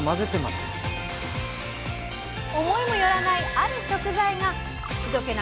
思いもよらないある食材が口どけ